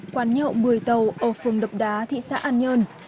quán nhậu bười tàu ở phường đập đá thị xã an nhơn